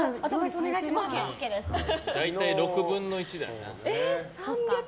大体６分の１だな。